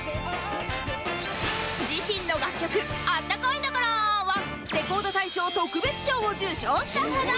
自身の楽曲『あったかいんだからぁ』はレコード大賞特別賞を受賞したほど